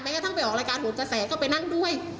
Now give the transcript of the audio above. แม้ก็ต้องไปออกรายการห่วงกับแสงก็ไปนั่งด้วย